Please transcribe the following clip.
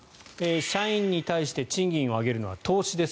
社員に対して賃金を上げるのは投資です